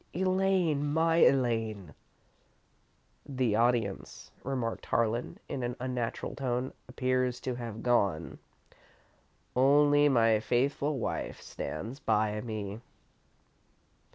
"Elaine! My Elaine!" "The audience," remarked Harlan, in an unnatural tone, "appears to have gone. Only my faithful wife stands by me."